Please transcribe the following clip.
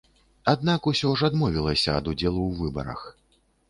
Аднак усё ж адмовілася ад удзелу ў выбарах.